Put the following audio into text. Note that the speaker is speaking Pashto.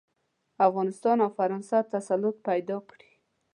افغانستان او فرانسه تسلط پیدا کړي.